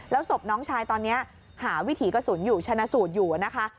ศพน้องชายตอนนี้หาวิถีกระสุนอยู่ชนะสูตรอยู่นะคะ